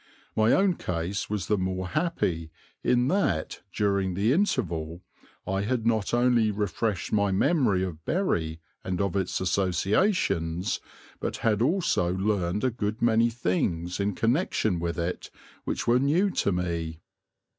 My own case was the more happy in that, during the interval, I had not only refreshed my memory of Bury and of its associations, but had also learned a good many things in connection with it which were new to me.